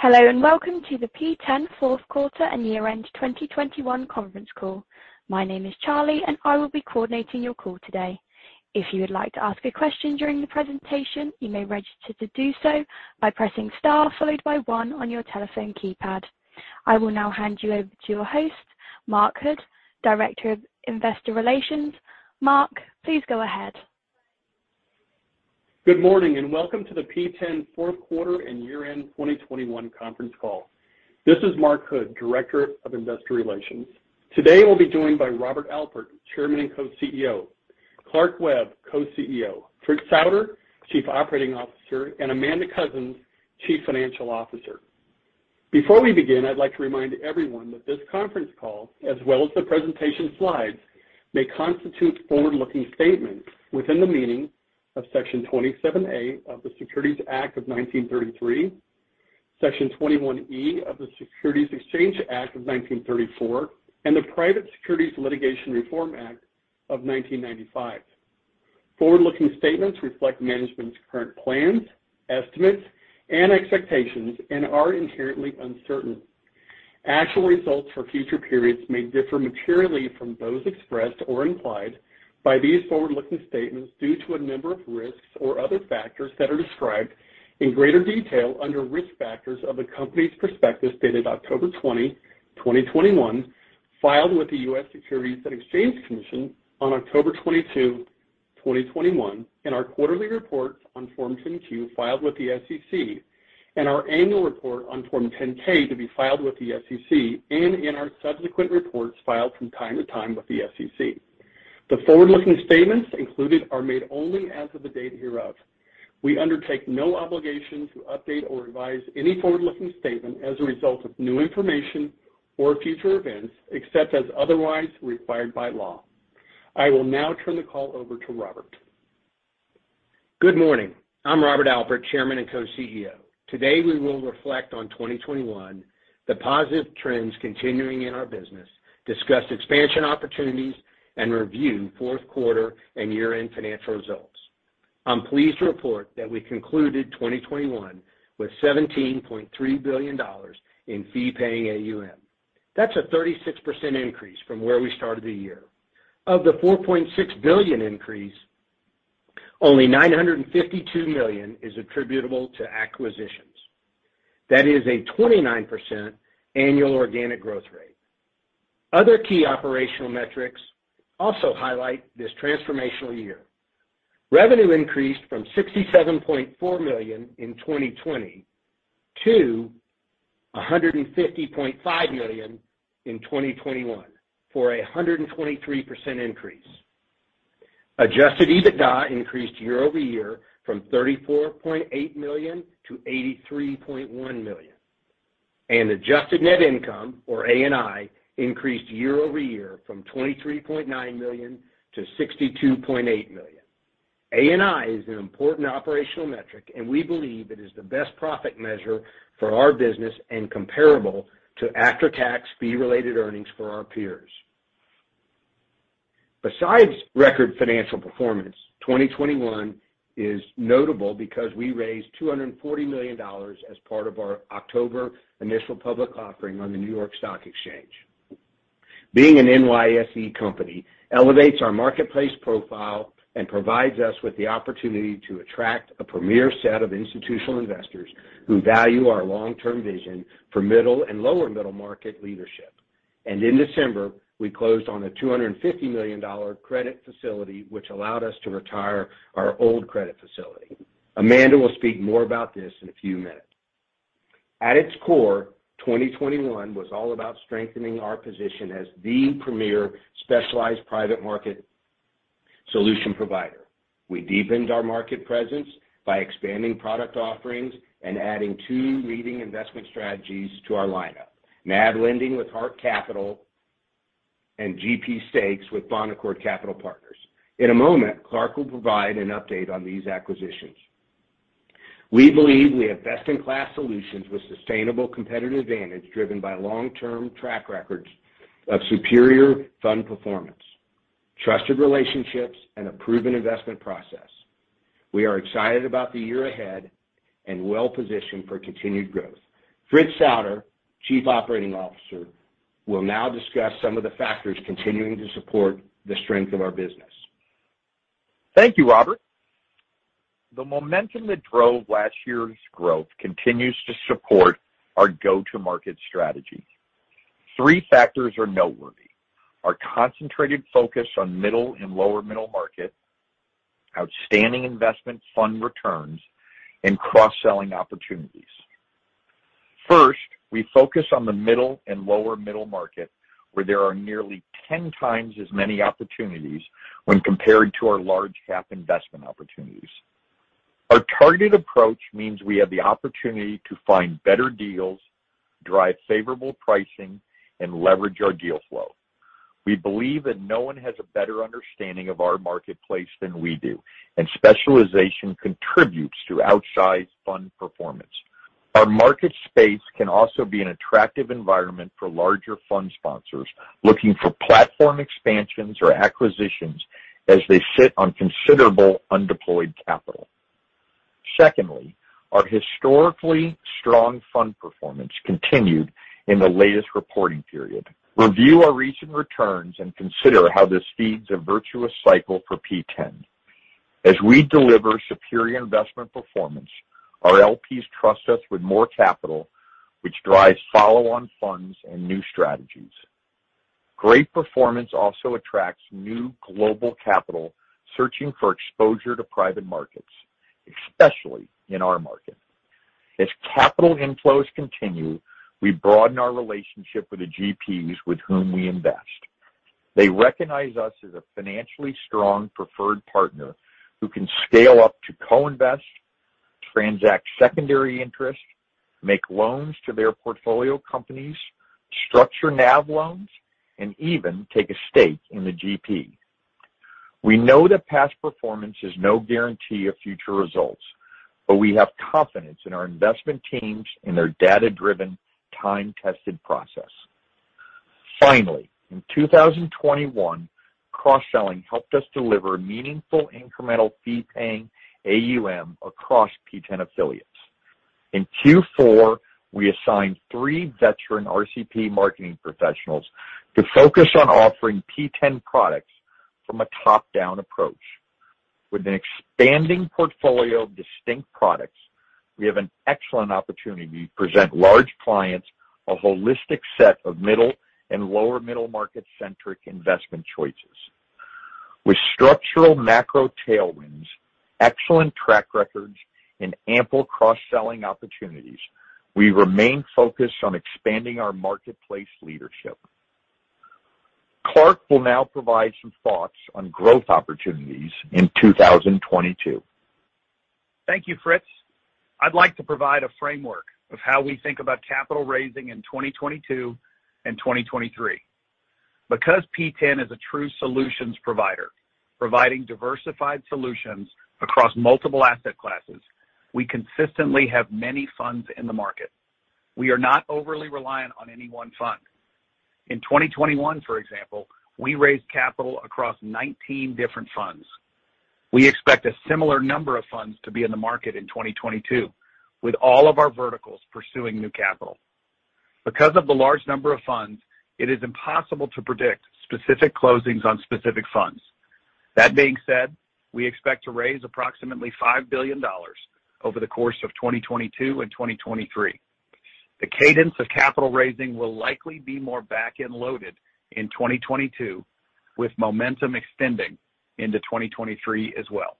Hello, and welcome to the P10 fourth quarter and year-end 2021 conference call. My name is Charlie, and I will be coordinating your call today. If you would like to ask a question during the presentation, you may register to do so by pressing star followed by one on your telephone keypad. I will now hand you over to your host, Mark Hood, Director of Investor Relations. Mark, please go ahead. Good morning, and welcome to the P10 fourth quarter and year-end 2021 conference call. This is Mark Hood, Director of Investor Relations. Today, we'll be joined by Robert Alpert, Chairman and Co-CEO, Clark Webb, Co-CEO, Fritz Souder, Chief Operating Officer, and Amanda Cousins, Chief Financial Officer. Before we begin, I'd like to remind everyone that this conference call, as well as the presentation slides, may constitute forward-looking statements within the meaning of Section 27A of the Securities Act of 1933, Section 21E of the Securities Exchange Act of 1934, and the Private Securities Litigation Reform Act of 1995. Forward-looking statements reflect management's current plans, estimates, and expectations and are inherently uncertain. Actual results for future periods may differ materially from those expressed or implied by these forward-looking statements due to a number of risks or other factors that are described in greater detail under Risk Factors of the company's prospectus dated October 20, 2021, filed with the U.S. Securities and Exchange Commission on October 22, 2021, in our quarterly report on Form 10-Q, filed with the SEC, and our annual report on Form 10-K to be filed with the SEC, and in our subsequent reports filed from time to time with the SEC. The forward-looking statements included are made only as of the date hereof. We undertake no obligation to update or revise any forward-looking statement as a result of new information or future events, except as otherwise required by law. I will now turn the call over to Robert. Good morning. I'm Robert Alpert, Chairman and Co-CEO. Today, we will reflect on 2021, the positive trends continuing in our business, discuss expansion opportunities, and review fourth quarter and year-end financial results. I'm pleased to report that we concluded 2021 with $17.3 billion in Fee-Paying AUM. That's a 36% increase from where we started the year. Of the $4.6 billion increase, only $952 million is attributable to acquisitions. That is a 29% annual organic growth rate. Other key operational metrics also highlight this transformational year. Revenue increased from $67.4 million in 2020 to $150.5 million in 2021 for a 123% increase. Adjusted EBITDA increased year over year from $34.8 million to $83.1 million. Adjusted net income, or ANI, increased year-over-year from $23.9 million to $62.8 million. ANI is an important operational metric, and we believe it is the best profit measure for our business and comparable to after-tax fee-related earnings for our peers. Besides record financial performance, 2021 is notable because we raised $240 million as part of our October initial public offering on the New York Stock Exchange. Being an NYSE company elevates our marketplace profile and provides us with the opportunity to attract a premier set of institutional investors who value our long-term vision for middle and lower middle market leadership. In December, we closed on a $250 million credit facility which allowed us to retire our old credit facility. Amanda will speak more about this in a few minutes. At its core, 2021 was all about strengthening our position as the premier specialized private market solution provider. We deepened our market presence by expanding product offerings and adding two leading investment strategies to our lineup, NAV lending with Hark Capital and GP stakes with Bonaccord Capital Partners. In a moment, Clark Webb will provide an update on these acquisitions. We believe we have best-in-class solutions with sustainable competitive advantage driven by long-term track records of superior fund performance, trusted relationships, and a proven investment process. We are excited about the year ahead and well-positioned for continued growth. Fritz Souder, Chief Operating Officer, will now discuss some of the factors continuing to support the strength of our business. Thank you, Robert. The momentum that drove last year's growth continues to support our go-to-market strategy. Three factors are noteworthy. Our concentrated focus on middle and lower middle market, outstanding investment fund returns, and cross-selling opportunities. First, we focus on the middle and lower middle market, where there are nearly ten times as many opportunities when compared to our large cap investment opportunities. Our targeted approach means we have the opportunity to find better deals, drive favorable pricing, and leverage our deal flow. We believe that no one has a better understanding of our marketplace than we do, and specialization contributes to outsized fund performance. Our market space can also be an attractive environment for larger fund sponsors looking for platform expansions or acquisitions. As they sit on considerable undeployed capital. Secondly, our historically strong fund performance continued in the latest reporting period. Review our recent returns and consider how this feeds a virtuous cycle for P10. As we deliver superior investment performance, our LPs trust us with more capital, which drives follow-on funds and new strategies. Great performance also attracts new global capital searching for exposure to private markets, especially in our market. As capital inflows continue, we broaden our relationship with the GPs with whom we invest. They recognize us as a financially strong preferred partner who can scale up to co-invest, transact secondary interest, make loans to their portfolio companies, structure NAV loans, and even take a stake in the GP. We know that past performance is no guarantee of future results, but we have confidence in our investment teams and their data-driven, time-tested process. Finally, in 2021, cross-selling helped us deliver meaningful incremental fee-paying AUM across P10 affiliates. In Q4, we assigned three veteran RCP marketing professionals to focus on offering P10 products from a top-down approach. With an expanding portfolio of distinct products, we have an excellent opportunity to present large clients a holistic set of middle and lower middle market-centric investment choices. With structural macro tailwinds, excellent track records, and ample cross-selling opportunities, we remain focused on expanding our marketplace leadership. Clark will now provide some thoughts on growth opportunities in 2022. Thank you, Fritz. I'd like to provide a framework of how we think about capital raising in 2022 and 2023. Because P10 is a true solutions provider, providing diversified solutions across multiple asset classes, we consistently have many funds in the market. We are not overly reliant on any one fund. In 2021, for example, we raised capital across 19 different funds. We expect a similar number of funds to be in the market in 2022, with all of our verticals pursuing new capital. Because of the large number of funds, it is impossible to predict specific closings on specific funds. That being said, we expect to raise approximately $5 billion over the course of 2022 and 2023. The cadence of capital raising will likely be more back-end loaded in 2022, with momentum extending into 2023 as well.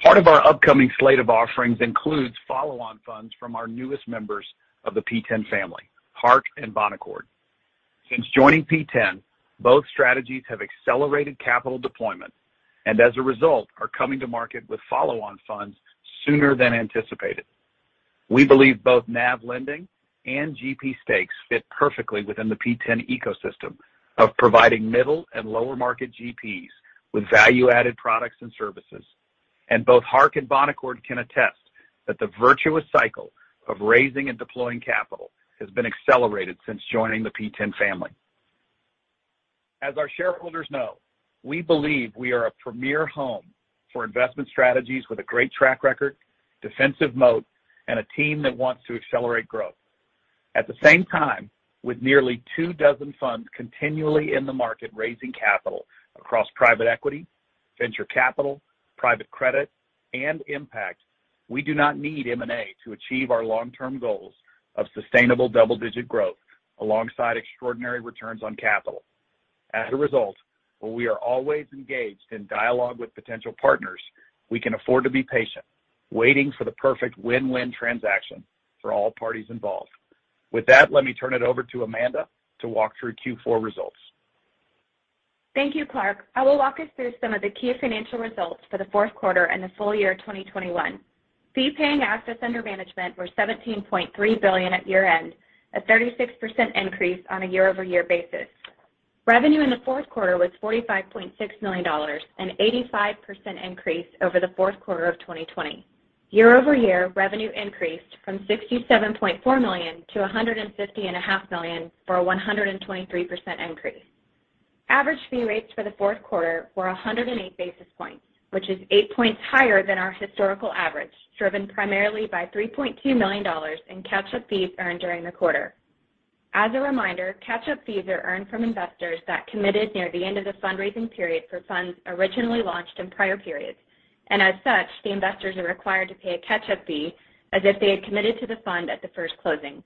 Part of our upcoming slate of offerings includes follow-on funds from our newest members of the P10 family, Hark and Bonaccord. Since joining P10, both strategies have accelerated capital deployment, and as a result, are coming to market with follow-on funds sooner than anticipated. We believe both NAV lending and GP stakes fit perfectly within the P10 ecosystem of providing middle and lower market GPs with value-added products and services. Both Hark and Bonaccord can attest that the virtuous cycle of raising and deploying capital has been accelerated since joining the P10 family. As our shareholders know, we believe we are a premier home for investment strategies with a great track record, defensive moat, and a team that wants to accelerate growth. At the same time, with nearly two dozen funds continually in the market raising capital across private equity, venture capital, private credit, and impact, we do not need M&A to achieve our long-term goals of sustainable double-digit growth alongside extraordinary returns on capital. As a result, while we are always engaged in dialogue with potential partners, we can afford to be patient, waiting for the perfect win-win transaction for all parties involved. With that, let me turn it over to Amanda to walk through Q4 results. Thank you, Clark. I will walk us through some of the key financial results for the fourth quarter and the full year of 2021. Fee-paying assets under management were $17.3 billion at year-end, a 36% increase on a year-over-year basis. Revenue in the fourth quarter was $45.6 million, an 85% increase over the fourth quarter of 2020. Year over year, revenue increased from $67.4 million to $150.5 million, for a 123% increase. Average fee rates for the fourth quarter were 108 basis points, which is 8 points higher than our historical average, driven primarily by $3.2 million in catch-up fees earned during the quarter. As a reminder, catch-up fees are earned from investors that committed near the end of the fundraising period for funds originally launched in prior periods, and as such, the investors are required to pay a catch-up fee as if they had committed to the fund at the first closing.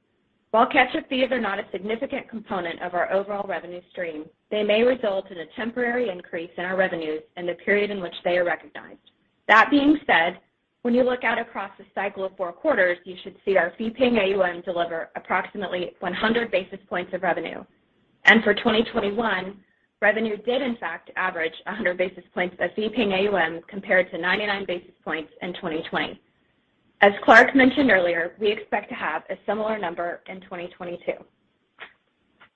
While catch-up fees are not a significant component of our overall revenue stream, they may result in a temporary increase in our revenues in the period in which they are recognized. That being said, when you look out across a cycle of four quarters, you should see our Fee-Paying AUM deliver approximately 100 basis points of revenue. For 2021, revenue did in fact average 100 basis points of Fee-Paying AUM compared to 99 basis points in 2020. As Clark mentioned earlier, we expect to have a similar number in 2022.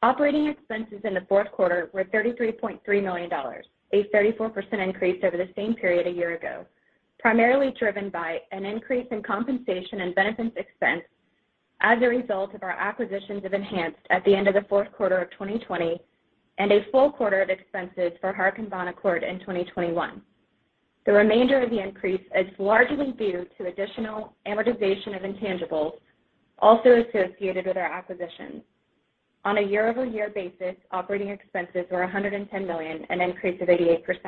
Operating expenses in the fourth quarter were $33.3 million, a 34% increase over the same period a year ago, primarily driven by an increase in compensation and benefits expense as a result of our acquisitions of Enhanced at the end of the fourth quarter of 2020 and a full quarter of expenses for Hark and Bonaccord in 2021. The remainder of the increase is largely due to additional amortization of intangibles also associated with our acquisitions. On a year-over-year basis, operating expenses were $110 million, an 88% increase.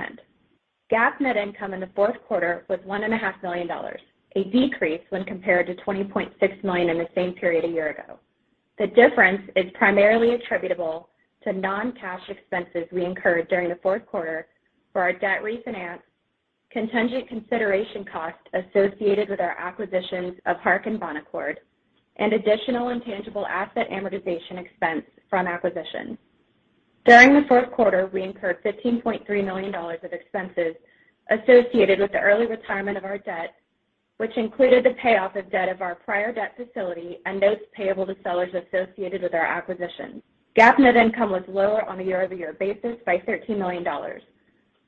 GAAP net income in the fourth quarter was $1.5 million, a decrease when compared to $20.6 million in the same period a year ago. The difference is primarily attributable to non-cash expenses we incurred during the fourth quarter for our debt refinance, contingent consideration costs associated with our acquisitions of Hark and Bonaccord, and additional intangible asset amortization expense from acquisitions. During the fourth quarter, we incurred $15.3 million of expenses associated with the early retirement of our debt, which included the payoff of debt of our prior debt facility and notes payable to sellers associated with our acquisitions. GAAP net income was lower on a year-over-year basis by $13 million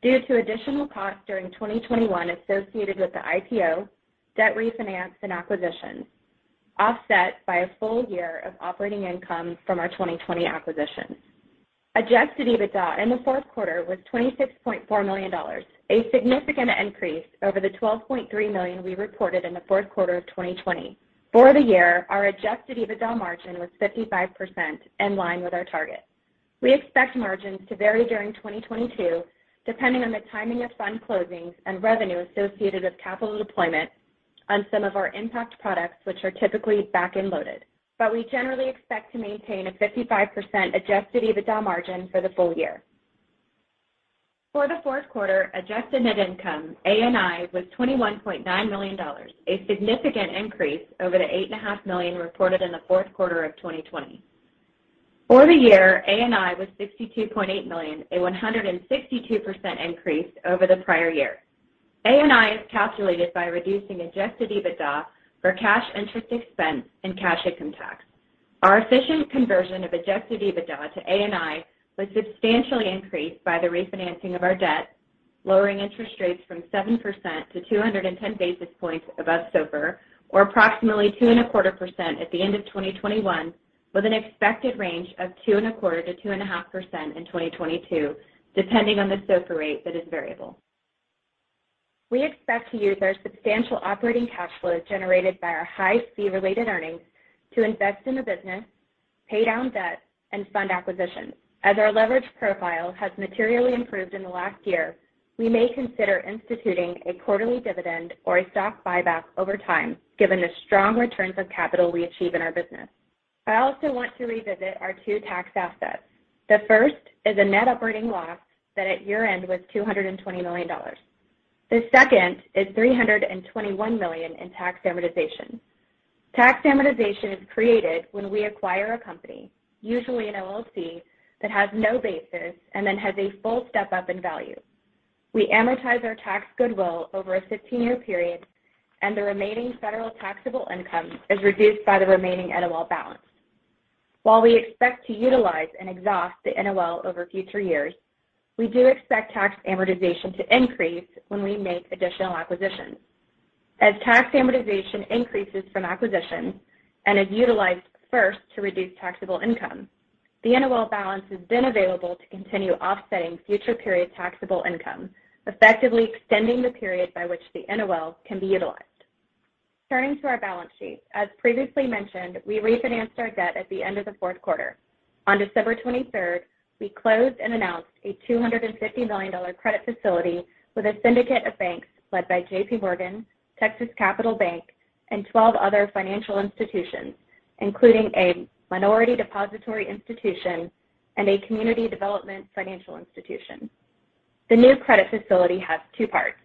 due to additional costs during 2021 associated with the IPO, debt refinance, and acquisitions, offset by a full year of operating income from our 2020 acquisitions. Adjusted EBITDA in the fourth quarter was $26.4 million, a significant increase over the $12.3 million we reported in the fourth quarter of 2020. For the year, our adjusted EBITDA margin was 55%, in line with our target. We expect margins to vary during 2022, depending on the timing of fund closings and revenue associated with capital deployment on some of our impact products, which are typically back-end loaded. We generally expect to maintain a 55% adjusted EBITDA margin for the full year. For the fourth quarter, adjusted net income, ANI, was $21.9 million, a significant increase over the $8.5 million reported in the fourth quarter of 2020. For the year, ANI was $62.8 million, a 162% increase over the prior year. ANI is calculated by reducing adjusted EBITDA for cash interest expense and cash income tax. Our efficient conversion of adjusted EBITDA to ANI was substantially increased by the refinancing of our debt, lowering interest rates from 7% to 210 basis points above SOFR, or approximately 2.25% at the end of 2021, with an expected range of 2.25%-2.5% in 2022, depending on the SOFR rate that is variable. We expect to use our substantial operating cash flow generated by our high fee-related earnings to invest in the business, pay down debt, and fund acquisitions. As our leverage profile has materially improved in the last year, we may consider instituting a quarterly dividend or a stock buyback over time, given the strong returns of capital we achieve in our business. I also want to revisit our two tax assets. The first is a net operating loss that at year-end was $220 million. The second is $321 million in tax amortization. Tax amortization is created when we acquire a company, usually an LLC, that has no basis and then has a full step-up in value. We amortize our tax goodwill over a 15-year period, and the remaining federal taxable income is reduced by the remaining NOL balance. While we expect to utilize and exhaust the NOL over future years, we do expect tax amortization to increase when we make additional acquisitions. As tax amortization increases from acquisitions and is utilized first to reduce taxable income, the NOL balance is then available to continue offsetting future period taxable income, effectively extending the period by which the NOL can be utilized. Turning to our balance sheet. As previously mentioned, we refinanced our debt at the end of the fourth quarter. On December 23, we closed and announced a $250 million credit facility with a syndicate of banks led by J.P. Morgan, Texas Capital Bank, and twelve other financial institutions, including a minority depository institution and a community development financial institution. The new credit facility has two parts,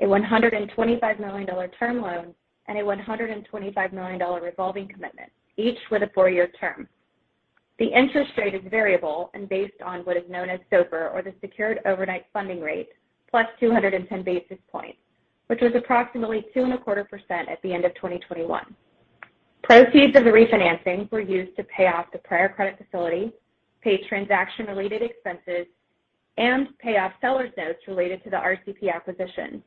a $125 million term loan and a $125 million revolving commitment, each with a four-year term. The interest rate is variable and based on what is known as SOFR, or the Secured Overnight Financing Rate, plus 210 basis points, which was approximately 2.25% at the end of 2021. Proceeds of the refinancing were used to pay off the prior credit facility, pay transaction-related expenses, and pay off sellers' notes related to the RCP acquisition.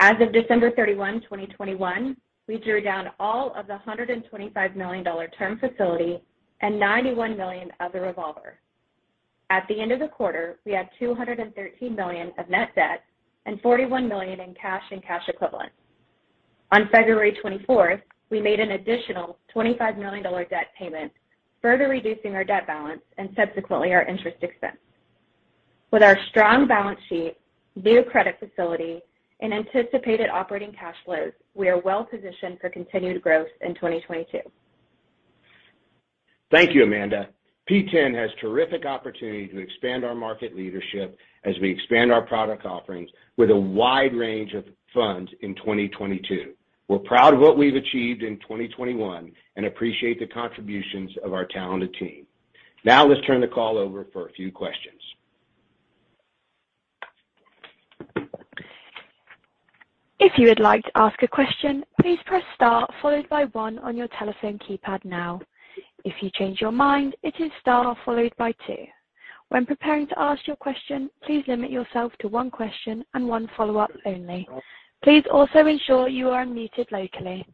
As of December 31, 2021, we drew down all of the $125 million term facility and $91 million of the revolver. At the end of the quarter, we had $213 million of net debt and $41 million in cash and cash equivalents. On February 24, we made an additional $25 million debt payment, further reducing our debt balance and subsequently our interest expense. With our strong balance sheet, new credit facility, and anticipated operating cash flows, we are well positioned for continued growth in 2022. Thank you, Amanda. P10 has terrific opportunity to expand our market leadership as we expand our product offerings with a wide range of funds in 2022. We're proud of what we've achieved in 2021 and appreciate the contributions of our talented team. Now let's turn the call over for a few questions. If you would like to ask a question, please press star followed by one on your telephone keypad now. If you change your mind, it is star followed by two. When preparing to ask your question, please limit yourself to one question and one follow-up only. Please also ensure you are unmuted locally.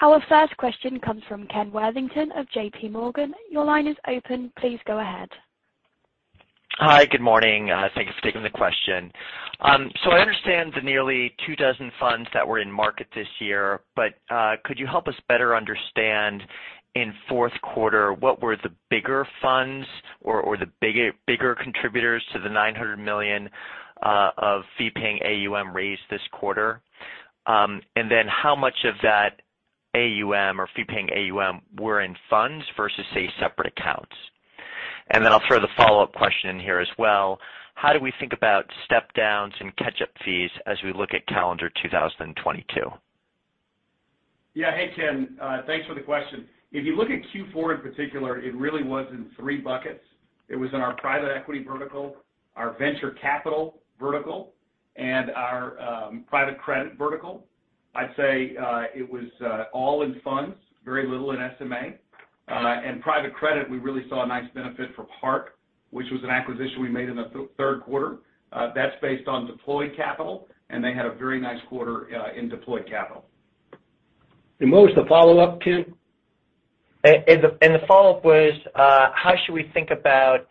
Our first question comes from Kenneth Worthington of J.P. Morgan. Your line is open. Please go ahead. Hi. Good morning. Thanks for taking the question. So I understand the nearly 24 funds that were in market this year, but could you help us better understand in fourth quarter, what were the bigger funds or the bigger contributors to the $900 million of Fee-Paying AUM raised this quarter? And then how much of that AUM or Fee-Paying AUM were in funds versus, say, separate accounts? And then I'll throw the follow-up question in here as well. How do we think about step downs and catch-up fees as we look at calendar 2022? Yeah. Hey, Kenneth. Thanks for the question. If you look at Q4 in particular, it really was in three buckets. It was in our private equity vertical, our venture capital vertical, and our private credit vertical. I'd say it was all in funds, very little in SMA. Private credit, we really saw a nice benefit from Hark, which was an acquisition we made in the third quarter. That's based on deployed capital, and they had a very nice quarter in deployed capital. What was the follow-up, Kenneth? The follow-up was, how should we think about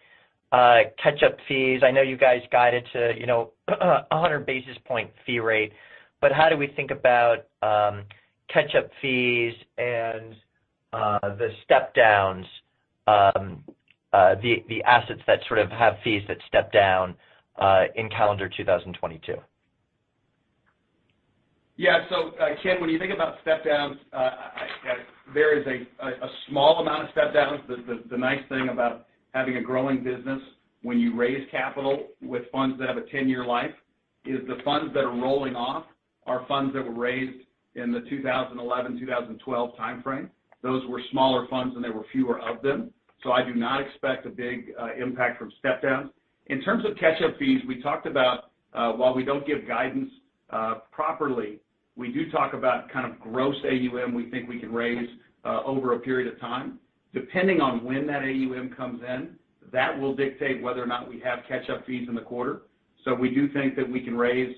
catch-up fees? I know you guys guided to, you know, a 100 basis point fee rate, but how do we think about catch-up fees and the step downs, the assets that sort of have fees that step down in calendar 2022? Yeah. Kenneth, when you think about step downs, there is a small amount of step downs. The nice thing about having a growing business when you raise capital with funds that have a 10-year life is the funds that are rolling off are funds that were raised in the 2011, 2012 timeframe. Those were smaller funds, and there were fewer of them. I do not expect a big impact from step downs. In terms of catch-up fees, we talked about while we don't give guidance properly, we do talk about kind of gross AUM we think we can raise over a period of time. Depending on when that AUM comes in, that will dictate whether or not we have catch-up fees in the quarter. We do think that we can raise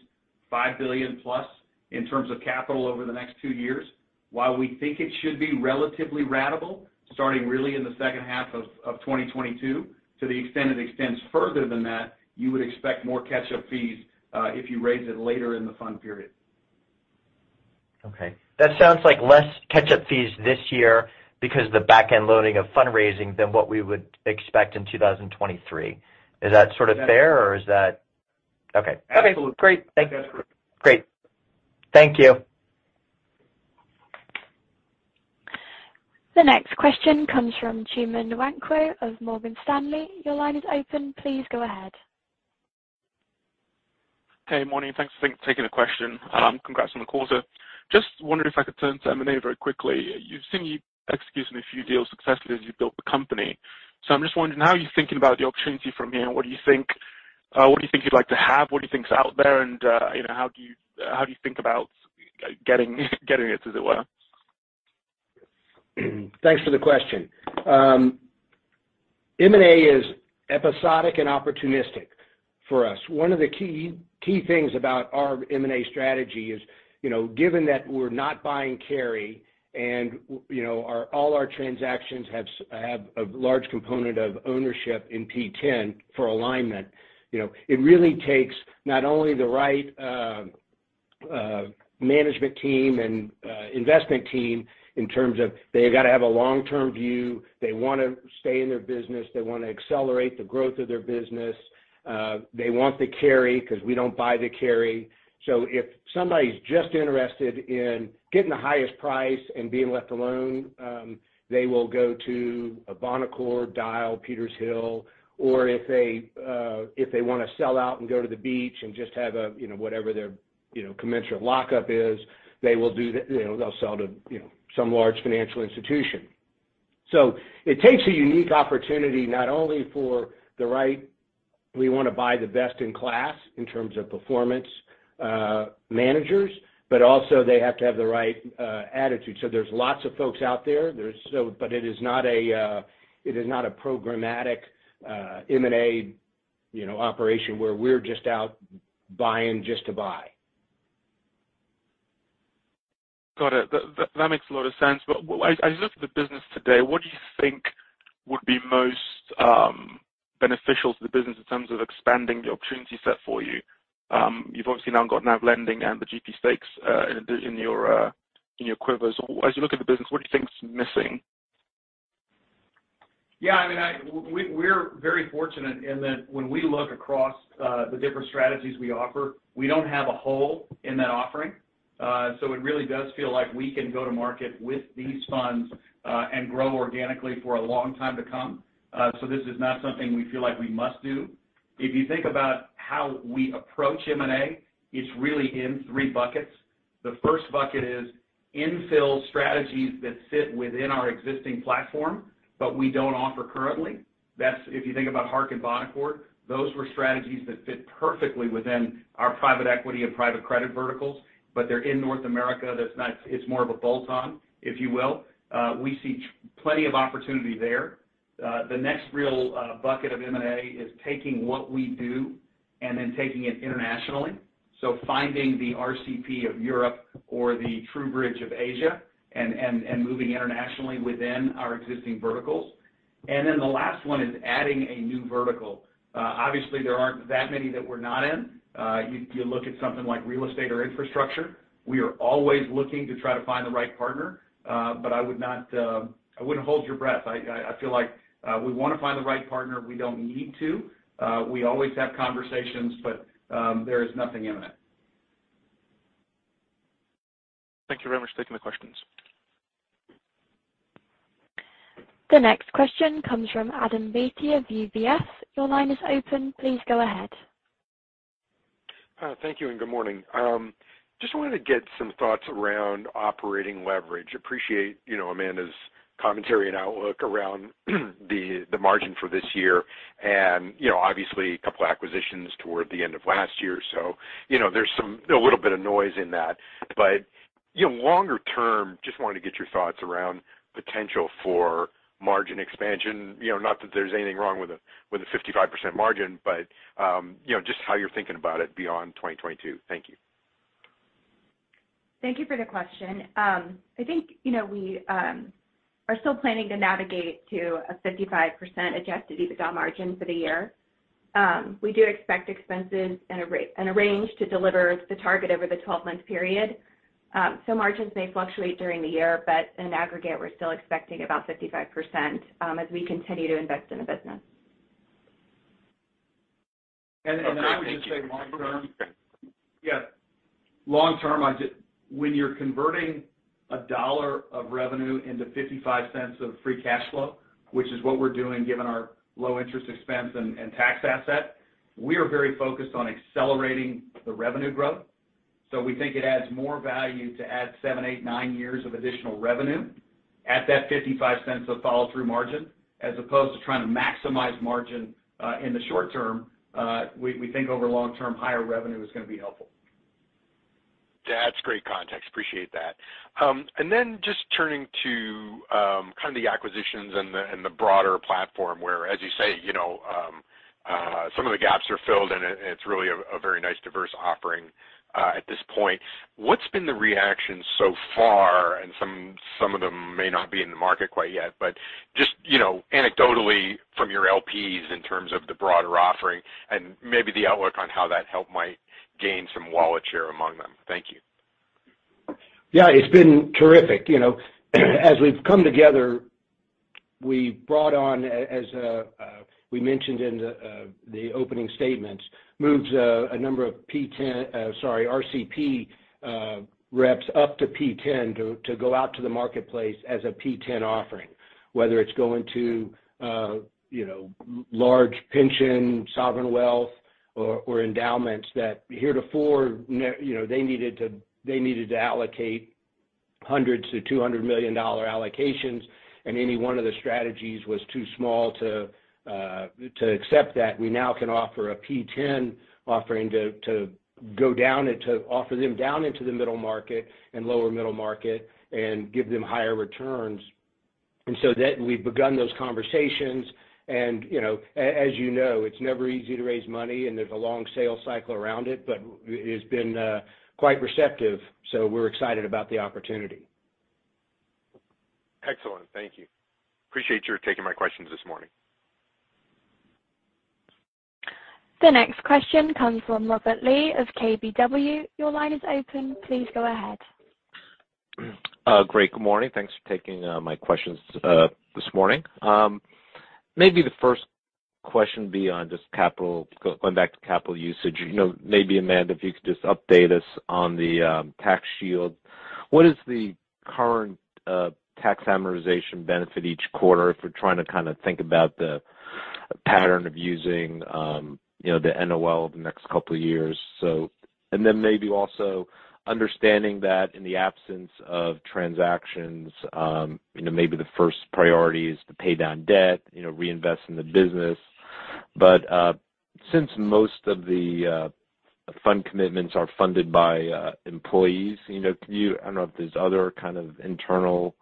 $5 billion-plus in terms of capital over the next two years. While we think it should be relatively ratable starting really in the second half of 2022, to the extent it extends further than that, you would expect more catch-up fees if you raise it later in the fund period. Okay. That sounds like less catch-up fees this year because the back-end loading of fundraising than what we would expect in 2023. Is that sort of fair or is that okay. Absolutely. Great. Thank you. That's correct. Great. Thank you. The next question comes from Chuma Nwankwo of Morgan Stanley. Your line is open. Please go ahead. Hey. Morning. Thanks for taking the question. Congrats on the quarter. Just wondering if I could turn to M&A very quickly. You've seen us execute on a few deals successfully as you built the company. I'm just wondering, how are you thinking about the opportunity from here, and what do you think you'd like to have? What do you think is out there, and you know, how do you think about getting it, as it were? Thanks for the question. M&A is episodic and opportunistic for us. One of the key things about our M&A strategy is, you know, given that we're not buying carry and, you know, all our transactions have a large component of ownership in P10 for alignment, you know, it really takes not only the right management team and investment team in terms of they've gotta have a long-term view, they wanna stay in their business, they wanna accelerate the growth of their business, they want the carry 'cause we don't buy the carry. If somebody's just interested in getting the highest price and being left alone, they will go to a Bonaccord, Dyal, Petershill, or if they wanna sell out and go to the beach and just have a, you know, whatever their, you know, commensurate lockup is, they will do the, you know, they'll sell to, you know, some large financial institution. It takes a unique opportunity, not only for the right. We wanna buy the best-in-class in terms of performance, managers, but also they have to have the right, attitude. There's lots of folks out there. It is not a programmatic, M&A, you know, operation where we're just out buying just to buy. Got it. That makes a lot of sense. As you look at the business today, what do you think would be most beneficial to the business in terms of expanding the opportunity set for you? You've obviously now got NAV lending and the GP stakes in addition in your quiver. As you look at the business, what do you think is missing? Yeah, I mean, we're very fortunate in that when we look across the different strategies we offer, we don't have a hole in that offering. So it really does feel like we can go to market with these funds and grow organically for a long time to come. So this is not something we feel like we must do. If you think about how we approach M&A, it's really in three buckets. The first bucket is infill strategies that fit within our existing platform, but we don't offer currently. That's if you think about Hark and Bonaccord, those were strategies that fit perfectly within our private equity and private credit verticals, but they're in North America. It's more of a bolt-on, if you will. We see plenty of opportunity there. The next real bucket of M&A is taking what we do and then taking it internationally, finding the RCP of Europe or the TrueBridge of Asia and moving internationally within our existing verticals. The last one is adding a new vertical. Obviously, there aren't that many that we're not in. You look at something like real estate or infrastructure. We are always looking to try to find the right partner, but I wouldn't hold your breath. I feel like we wanna find the right partner. We don't need to. We always have conversations, but there is nothing imminent. Thank you very much for taking the questions. The next question comes from Adam Beatty of UBS. Your line is open. Please go ahead. Thank you, and good morning. Just wanted to get some thoughts around operating leverage. Appreciate, you know, Amanda's commentary and outlook around the margin for this year and, you know, obviously a couple acquisitions toward the end of last year. You know, there's some a little bit of noise in that. Longer term, just wanted to get your thoughts around potential for margin expansion, you know, not that there's anything wrong with a 55% margin, but you know, just how you're thinking about it beyond 2022. Thank you. Thank you for the question. I think, you know, we are still planning to navigate to a 55% adjusted EBITDA margin for the year. We do expect expenses in a range to deliver the target over the twelve-month period. Margins may fluctuate during the year, but in aggregate, we're still expecting about 55%, as we continue to invest in the business. Okay. Thank you. I would just say long term. Yeah. Long term, I just when you're converting $1 of revenue into $0.55 of free cash flow, which is what we're doing given our low interest expense and tax asset, we are very focused on accelerating the revenue growth. We think it adds more value to add 7, 8, 9 years of additional revenue at that $0.55 of flow-through margin as opposed to trying to maximize margin in the short term. We think over long term, higher revenue is gonna be helpful. That's great context. Appreciate that. Just turning to kind of the acquisitions and the broader platform where, as you say, you know, some of the gaps are filled, and it's really a very nice diverse offering at this point. What's been the reaction so far? Some of them may not be in the market quite yet, but anecdotally from your LPs in terms of the broader offering and maybe the outlook on how that might help gain some wallet share among them. Thank you. Yeah, it's been terrific. You know, as we've come together, we brought on, as we mentioned in the opening statements, moved a number of P10—sorry, RCP reps up to P10 to go out to the marketplace as a P10 offering, whether it's going to, you know, large pension, sovereign wealth, or endowments that heretofore, you know, they needed to allocate $100-$200 million allocations, and any one of the strategies was too small to accept that. We now can offer a P10 offering to go down and to offer them down into the middle market and lower middle market and give them higher returns. So we've begun those conversations. You know, as you know, it's never easy to raise money, and there's a long sales cycle around it, but it has been quite receptive. We're excited about the opportunity. Excellent. Thank you. Appreciate your taking my questions this morning. The next question comes from Robert Lee of KBW. Your line is open. Please go ahead. Great. Good morning. Thanks for taking my questions this morning. Maybe the first question beyond just capital. Going back to capital usage, you know, maybe, Amanda, if you could just update us on the tax shield. What is the current tax amortization benefit each quarter if we're trying to kinda think about the pattern of using, you know, the NOL the next couple of years? Maybe also understanding that in the absence of transactions, you know, maybe the first priority is to pay down debt, you know, reinvest in the business. Since most of the fund commitments are funded by employees, you know, can you—I don't know if there's other kind of internal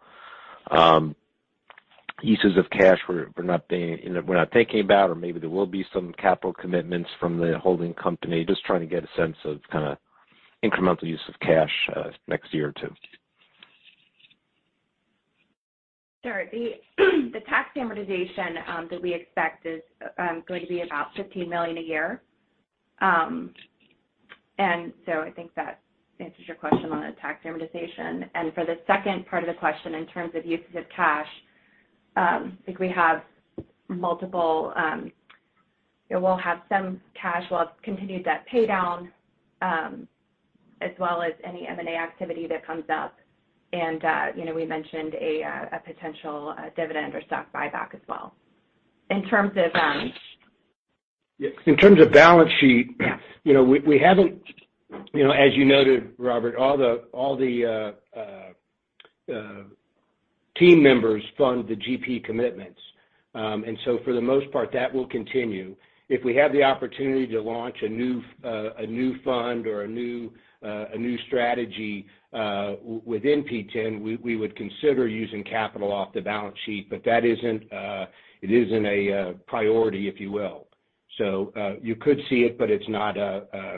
pieces of cash we're not being, you know, we're not thinking about, or maybe there will be some capital commitments from the holding company. Just trying to get a sense of kind of incremental use of cash next year or two. Sure. The tax amortization that we expect is going to be about $15 million a year. I think that answers your question on the tax amortization. For the second part of the question, in terms of uses of cash, we'll have some cash. We'll have continued debt paydown as well as any M&A activity that comes up. You know, we mentioned a potential dividend or stock buyback as well. In terms of Yes. In terms of balance sheet, you know, we haven't, you know, as you noted, Robert, all the team members fund the GP commitments. For the most part, that will continue. If we have the opportunity to launch a new fund or a new strategy within P10, we would consider using capital off the balance sheet, but it isn't a priority, if you will. You could see it, but it's not a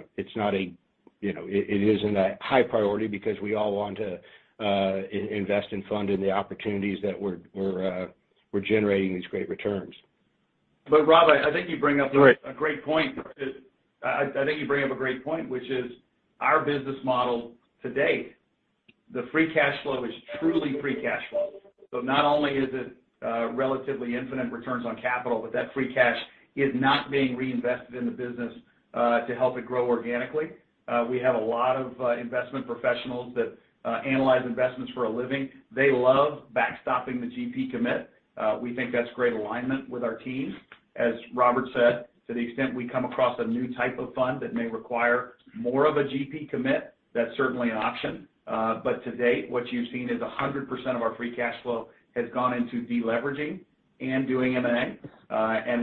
high priority because we all want to invest in funding the opportunities that we're generating these great returns. Robert, I think you bring up a great point, which is our business model to date, the free cash flow is truly free cash flow. Not only is it relatively infinite returns on capital, but that free cash is not being reinvested in the business to help it grow organically. We have a lot of investment professionals that analyze investments for a living. They love backstopping the GP commitment. We think that's great alignment with our teams. As Robert said, to the extent we come across a new type of fund that may require more of a GP commitment, that's certainly an option. To date, what you've seen is 100% of our free cash flow has gone into deleveraging and doing M&A.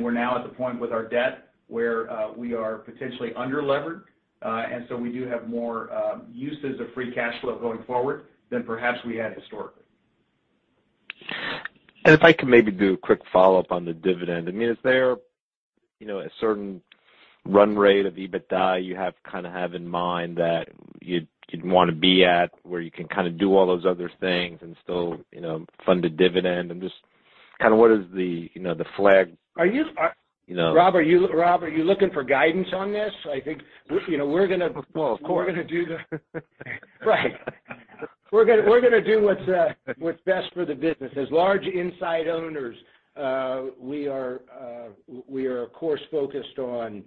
We're now at the point with our debt where we are potentially underlevered. We do have more uses of free cash flow going forward than perhaps we had historically. If I could maybe do a quick follow-up on the dividend. I mean, is there, you know, a certain run rate of EBITDA you kinda have in mind that you'd wanna be at where you can kinda do all those other things and still, you know, fund a dividend? Just kinda what is the, you know, the flag, you know? Robert, are you looking for guidance on this? I think, you know, we're gonna Of course. We're gonna do what's best for the business. As large insider owners, we are of course focused on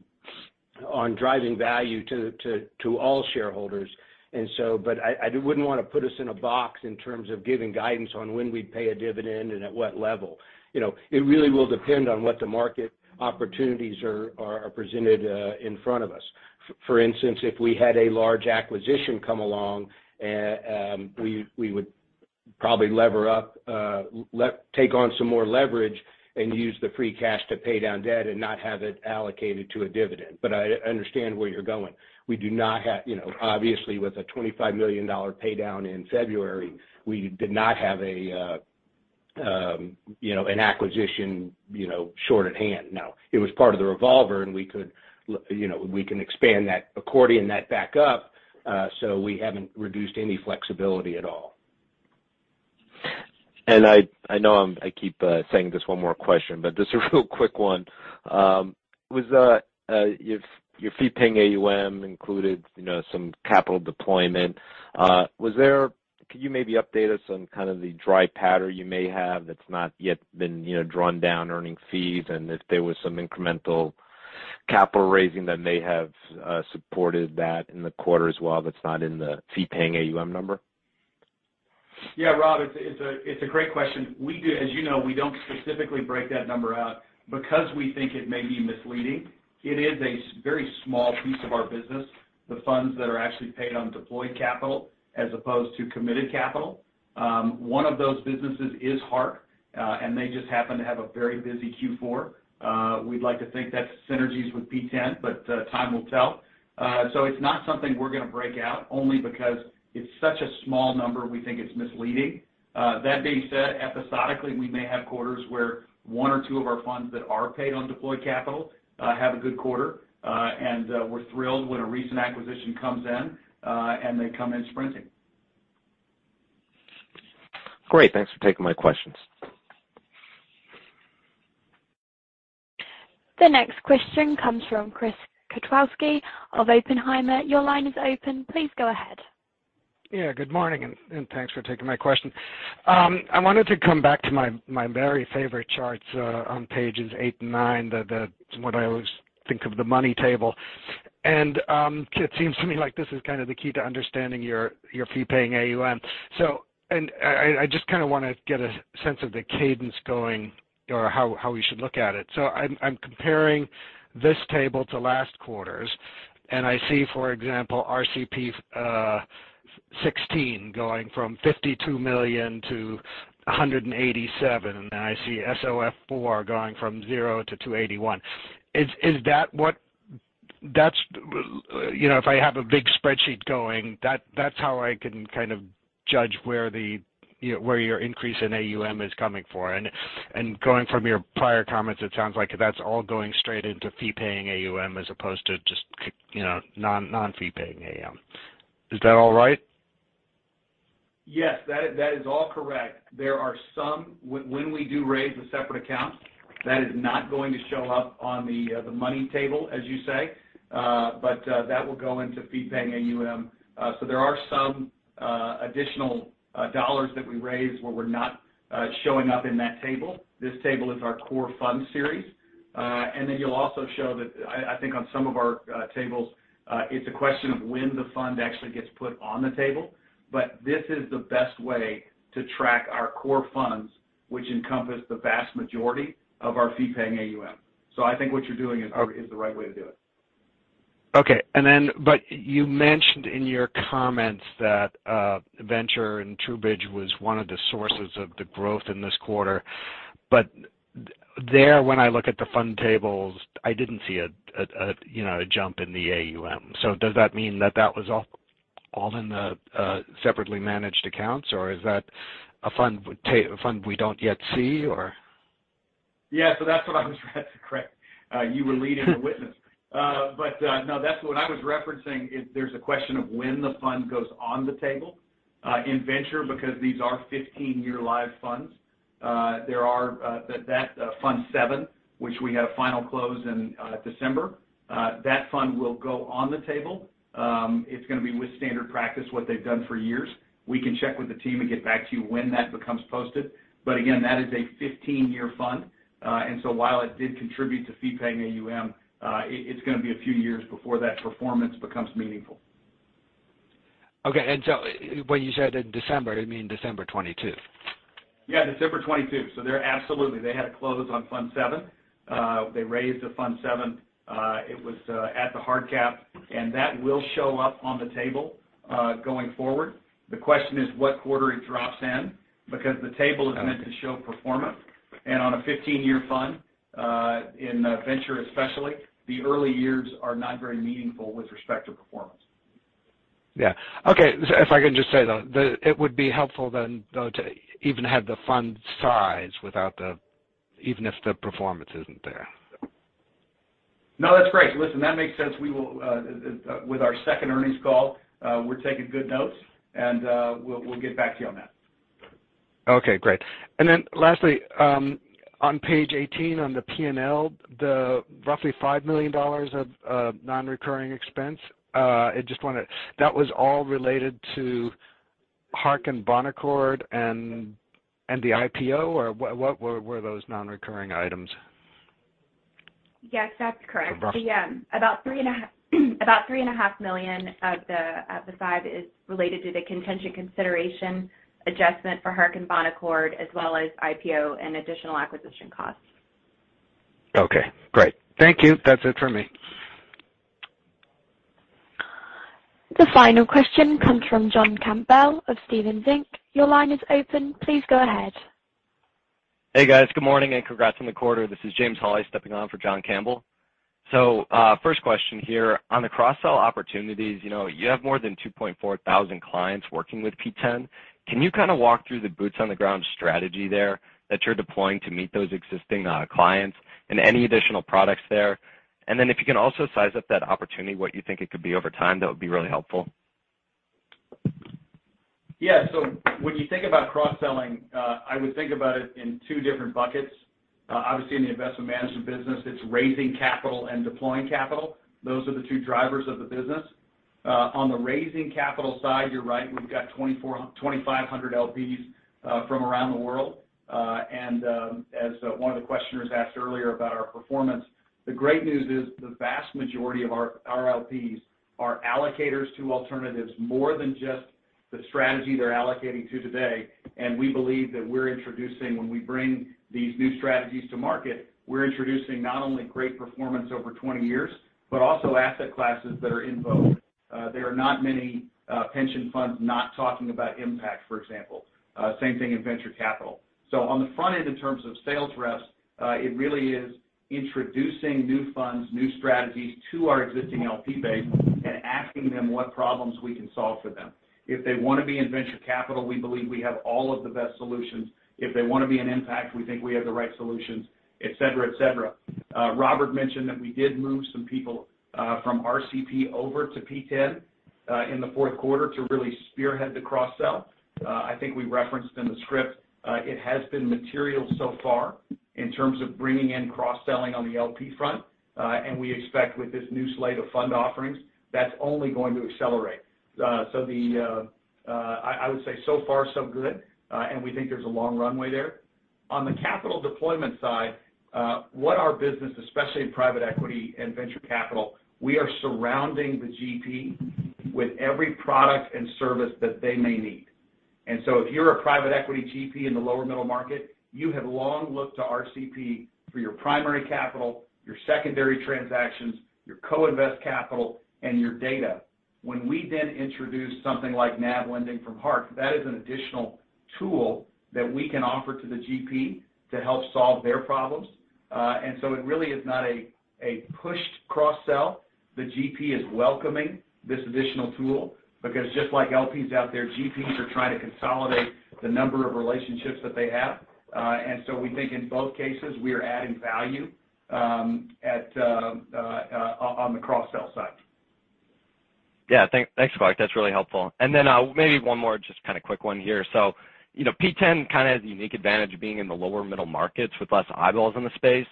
driving value to all shareholders. I wouldn't wanna put us in a box in terms of giving guidance on when we'd pay a dividend and at what level. You know, it really will depend on what the market opportunities are presented in front of us. For instance, if we had a large acquisition come along, we would probably lever up, take on some more leverage and use the free cash to pay down debt and not have it allocated to a dividend. I understand where you're going. We do not have, you know, obviously with a $25 million pay down in February, we did not have a, you know, an acquisition, you know, sort of at hand, no. It was part of the revolver, and we could, you know, we can expand that accordion that back up, so we haven't reduced any flexibility at all. I know I keep saying just one more question, but just a real quick one. Was your Fee-Paying AUM included, you know, some capital deployment. Could you maybe update us on kind of the dry powder you may have that's not yet been, you know, drawn down earning fees and if there was some incremental capital raising that may have supported that in the quarter as well that's not in the Fee-Paying AUM number? Yeah, Robert, it's a great question. As you know, we don't specifically break that number out because we think it may be misleading. It is a very small piece of our business, the funds that are actually paid on deployed capital as opposed to committed capital. One of those businesses is Hark, and they just happen to have a very busy Q4. We'd like to think that's synergies with P10, but time will tell. It's not something we're gonna break out only because it's such a small number, we think it's misleading. That being said, episodically, we may have quarters where one or two of our funds that are paid on deployed capital have a good quarter. We're thrilled when a recent acquisition comes in, and they come in sprinting. Great. Thanks for taking my questions. The next question comes from Chris Kotowski of Oppenheimer. Your line is open. Please go ahead. Yeah, good morning, and thanks for taking my question. I wanted to come back to my very favorite charts on pages 8 and 9, the what I always think of the money table. It seems to me like this is kind of the key to understanding your fee-paying AUM. I just kinda wanna get a sense of the cadence going or how we should look at it. I'm comparing this table to last quarter's, and I see, for example, RCP XVI going from $52 million to $187 million, and I see SOF IV going from 0 to $281 million. Is that what you know if I have a big spreadsheet going, that's how I can kind of judge where you know where your increase in AUM is coming from. Going from your prior comments, it sounds like that's all going straight into fee-paying AUM as opposed to just, you know, non-fee-paying AUM. Is that all right? Yes. That is all correct. There are some when we do raise the separate accounts, that is not going to show up on the money table, as you say. That will go into Fee-Paying AUM. There are some additional dollars that we raise where we're not showing up in that table. This table is our core fund series. Then you'll also show that I think on some of our tables, it's a question of when the fund actually gets put on the table. This is the best way to track our core funds, which encompass the vast majority of our Fee-Paying AUM. I think what you're doing is the right way to do it. Okay. You mentioned in your comments that venture and TrueBridge was one of the sources of the growth in this quarter. When I look at the fund tables, I didn't see a you know, a jump in the AUM. Does that mean that was all in the separately managed accounts, or is that a fund we don't yet see or? Yeah. That's what I was trying to correct. You were leading the witness. No, that's what I was referencing is there's a question of when the fund goes on the table, in venture because these are 15-year live funds. Fund 7, which we had a final close in December, that fund will go on the table. It's gonna be with standard practice, what they've done for years. We can check with the team and get back to you when that becomes posted. Again, that is a 15-year fund. While it did contribute to Fee-Paying AUM, it's gonna be a few years before that performance becomes meaningful. Okay. When you said in December, you mean December 22? Yeah, December 2022. So they're absolutely. They had closed on fund 7. They raised fund 7. It was at the hard cap, and that will show up on the table going forward. The question is what quarter it drops in because the table is meant to show performance. On a 15-year fund, in a venture especially, the early years are not very meaningful with respect to performance. Yeah. Okay. If I can just say, though, it would be helpful then, though, to even have the fund size without even if the performance isn't there. No, that's great. Listen, that makes sense. We will, with our second earnings call, we're taking good notes, and we'll get back to you on that. Okay, great. Lastly, on page 18 on the P&L, the roughly $5 million of non-recurring expense, I just wonder, that was all related to Hark and Bonaccord and the IPO or what were those non-recurring items? Yes, that's correct. The about $3.5 million of the $5 million is related to the contingent consideration adjustment for Hark and Bonaccord as well as IPO and additional acquisition costs. Okay, great. Thank you. That's it for me. The final question comes from John Campbell of Stephens Inc. Your line is open. Please go ahead. Good morning and congrats on the quarter. This is James Holly stepping in for John Campbell. First question here. On the cross-sell opportunities, you know, you have more than 2,400 clients working with P10. Can you kinda walk through the boots on the ground strategy there that you're deploying to meet those existing clients and any additional products there? And then if you can also size up that opportunity, what you think it could be over time, that would be really helpful. Yeah. When you think about cross-selling, I would think about it in two different buckets. Obviously in the investment management business, it's raising capital and deploying capital. Those are the two drivers of the business. On the raising capital side, you're right, we've got 2,500 LPs from around the world. As one of the questioners asked earlier about our performance, the great news is the vast majority of our LPs are allocators to alternatives more than just the strategy they're allocating to today. We believe that when we bring these new strategies to market, we're introducing not only great performance over 20 years, but also asset classes that are in vogue. There are not many pension funds not talking about impact, for example. Same thing in venture capital. On the front end, in terms of sales reps, it really is introducing new funds, new strategies to our existing LP base and asking them what problems we can solve for them. If they wanna be in venture capital, we believe we have all of the best solutions. If they wanna be in impact, we think we have the right solutions, et cetera. Robert mentioned that we did move some people from RCP over to P10 in the fourth quarter to really spearhead the cross-sell. I think we referenced in the script. It has been material so far in terms of bringing in cross-selling on the LP front. We expect with this new slate of fund offerings, that's only going to accelerate. I would say so far so good, and we think there's a long runway there. On the capital deployment side, what our business, especially in private equity and venture capital, we are surrounding the GP with every product and service that they may need. If you're a private equity GP in the lower middle market, you have long looked to RCP for your primary capital, your secondary transactions, your co-invest capital, and your data. When we then introduce something like NAV lending from Hark, that is an additional tool that we can offer to the GP to help solve their problems. It really is not a pushed cross-sell. The GP is welcoming this additional tool because just like LPs out there, GPs are trying to consolidate the number of relationships that they have. We think in both cases, we are adding value on the cross-sell side. Yeah. Thanks, Clark. That's really helpful. Maybe one more just kinda quick one here. You know, P10 kinda has a unique advantage of being in the lower middle markets with less eyeballs in the space.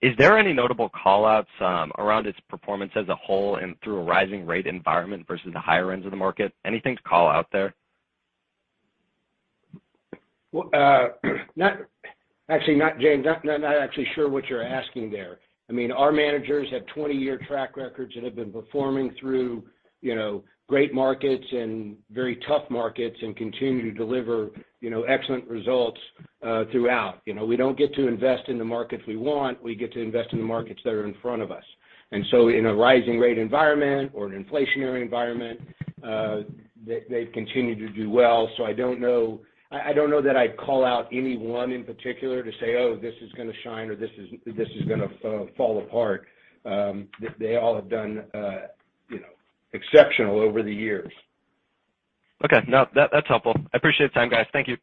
Is there any notable call-outs around its performance as a whole and through a rising rate environment versus the higher ends of the market? Anything to call out there? Well, actually, not James, not actually sure what you're asking there. I mean, our managers have 20-year track records that have been performing through, you know, great markets and very tough markets and continue to deliver, you know, excellent results throughout. You know, we don't get to invest in the markets we want. We get to invest in the markets that are in front of us. In a rising rate environment or an inflationary environment, they've continued to do well. I don't know that I'd call out any one in particular to say, "Oh, this is gonna shine or this is gonna fall apart." They all have done, you know, exceptional over the years. Okay. No, that's helpful. I appreciate the time, guys. Thank you.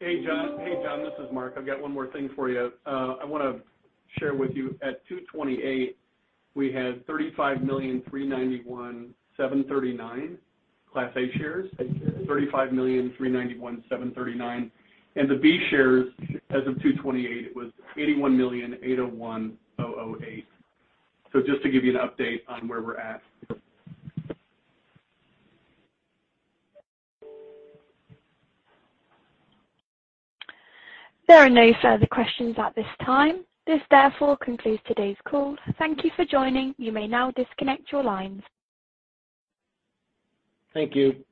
Hey, John, this is Mark. I've got one more thing for you. I wanna share with you as of 2/28, we had 35,391,739 Class A shares. The B shares as of 2/28, it was 81,801,008. Just to give you an update on where we're at. There are no further questions at this time. This therefore concludes today's call. Thank you for joining. You may now disconnect your lines. Thank you.